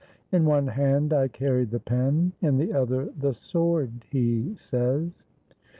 "In one hand I carried the pen, in the other the sword," he says.